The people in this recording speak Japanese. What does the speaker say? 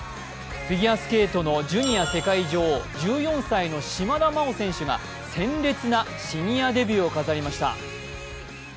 フィギュアスケートのジュニア世界女王１４歳の島田麻央選手が鮮烈なシニアデビューを飾りました。